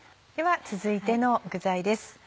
では続いての具材です。